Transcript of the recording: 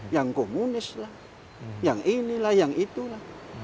yang komunis yang inilah yang itulah